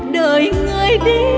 đợi người đi về cùng em